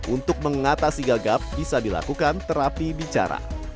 untuk mengatasi gagap bisa dilakukan terapi bicara